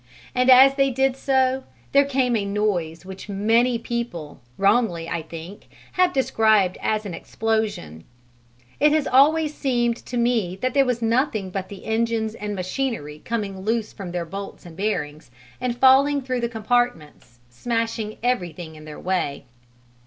And as they did so, there came a noise which many people, wrongly I think, have described as an explosion; it has always seemed to me that it was nothing but the engines and machinery coming loose from their bolts and bearings, and falling through the compartments, smashing everything in their way.